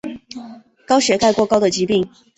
高血钙过高的疾病。